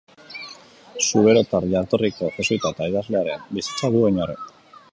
Zuberotar jatorriko jesuita eta idazlearen bizitza du oinarri.